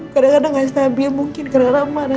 kadang kadang gak stabil mungkin kadang kadang marah